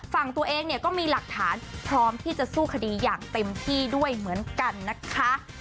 ฝั่งตัวเองเนี่ยก็มีหลักฐานพร้อมที่จะสู้คดีอย่างเต็มที่ด้วยเหมือนกันนะคะ